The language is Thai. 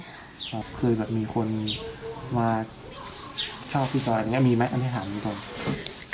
แต่ก็ไม่มีเลย